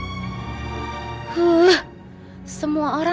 gak mau klik di by tenata kita